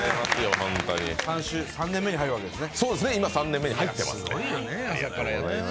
３年目に入るわけですね。